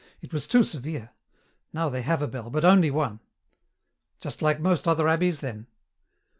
It was too severe! Now they have a bell, but only one." "Just like most other abbeys, then."